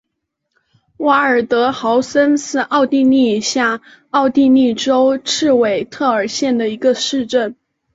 瓦尔德豪森是奥地利下奥地利州茨韦特尔县的一个市镇。